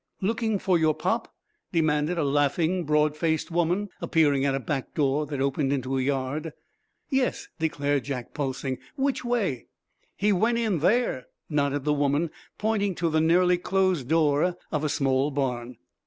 "Looking for your pop?" demanded a laughing, broad faced woman, appearing at a back door that opened into the yard. "Yes," declared Jack, pulsing. "Which way " "He went in there," nodded the woman, pointing to the nearly closed door of a small barn.